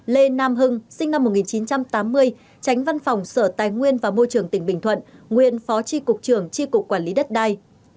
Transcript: năm lê nam hưng sinh năm một nghìn chín trăm tám mươi tránh văn phòng sở tài nguyên và môi trường tỉnh bình thuận nguyên phó tri cục trường tri cục quản lý đất đai